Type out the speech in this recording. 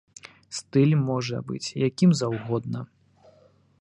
Стыль можа быць якім заўгодна.